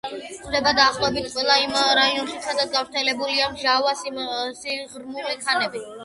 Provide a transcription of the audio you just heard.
გვხვდება დაახლოებით ყველა იმ რაიონში, სადაც გავრცელებულია მჟავა სიღრმული ქანები.